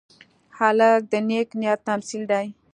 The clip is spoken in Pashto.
هلک د نیک نیت تمثیل دی.